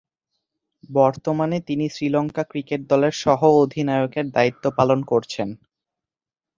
বর্তমানে তিনি শ্রীলঙ্কা ক্রিকেট দলের সহঃ অধিনায়কের দায়িত্ব পালন করছেন।